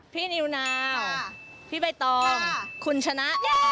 นิวนาวพี่ใบตองคุณชนะ